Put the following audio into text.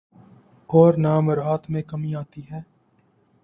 اورنہ مراعات میں کمی آتی ہے۔